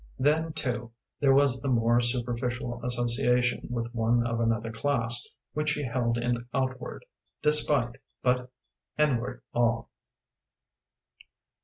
Then, too, there was the more superficial association with one of another class which she held in outward despite but inward awe.